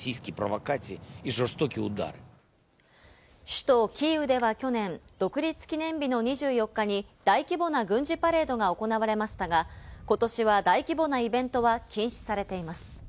首都キーウでは去年、独立記念日の２４日に大規模な軍事パレードが行われましたが、今年は大規模なイベントが禁止されています。